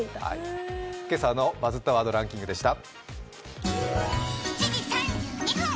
今朝の「バズったワードランキング」でした。